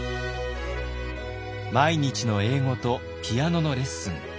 毎日の英語とピアノのレッスン。